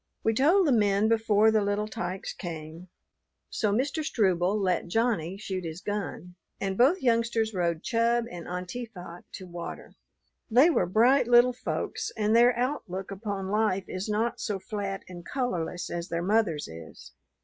We told the men before the little tykes came. So Mr. Struble let Johnny shoot his gun and both youngsters rode Chub and Antifat to water. They were bright little folks and their outlook upon life is not so flat and colorless as their mother's is.